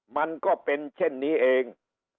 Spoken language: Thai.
มันก็เป็นเช่นนี้เอง